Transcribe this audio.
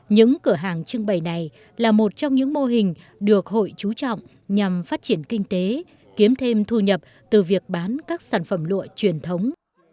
những cửa hàng trưng bày này là một trong những mô hình được hội chú trọng nhằm phát triển kinh tế kiếm thêm thu nhập từ việc bán các sản phẩm lụa truyền thống